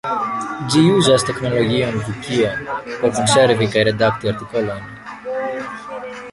Ĝi uzas teknologion vikio por konservi kaj redakti artikolojn.